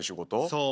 そう。